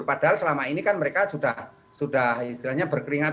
padahal selama ini kan mereka sudah istilahnya berkeringat